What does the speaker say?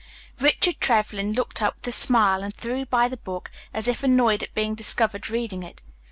Richard Trevlyn looked up with a smile and threw by the book, as if annoyed at being discovered reading it.